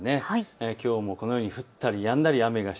きょうも、このように降ったりやんだり。